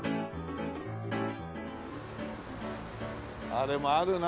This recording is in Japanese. あれもあるな。